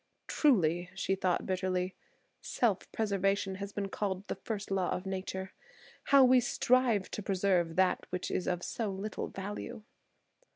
"Truly," she thought bitterly, "self preservation has been called the first law of nature. How we strive to preserve that which is of so little value."